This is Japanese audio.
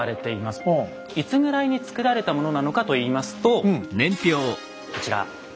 いつぐらいに作られたものなのかといいますとこちら。